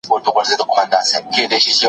ډیجیټل خدمت د ژبې عمر زیاتوي.